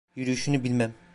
Yürüyüşünü bilmem…